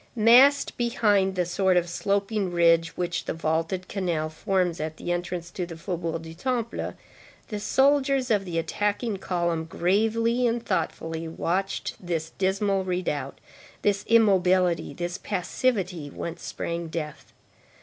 Massed behind the sort of sloping ridge which the vaulted canal forms at the entrance to the Faubourg du Temple, the soldiers of the attacking column, gravely and thoughtfully, watched this dismal redoubt, this immobility, this passivity, whence sprang death.